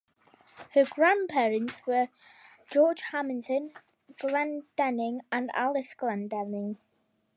Her grandparents were George Hammerton Glendenning and Alice Glendenning.